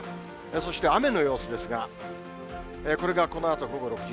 そして雨の様子ですが、これがこのあと午後６時。